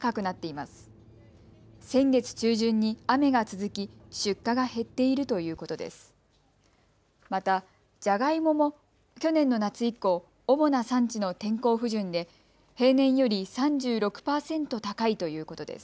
また、ジャガイモも去年の夏以降、主な産地の天候不順で平年より３６％高いということです。